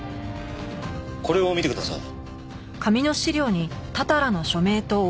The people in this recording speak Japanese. これを見てください。